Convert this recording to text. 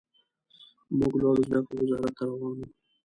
موږ لوړو زده کړو وزارت ته روان وو.